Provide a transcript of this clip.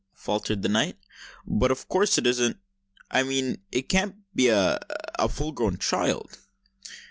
faltered the knight. "But of course it isn't—I mean—it can't be—a—a—full grown child?"